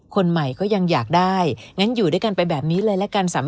คนใหม่ก็ยังอยากได้งั้นอยู่ด้วยกันไปแบบนี้เลยละกัน